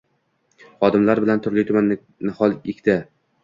Xodimlar bilan turli-tuman nihol ekdi.